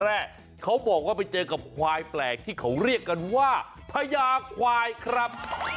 แรกเขาบอกว่าไปเจอกับควายแปลกที่เขาเรียกกันว่าพญาควายครับ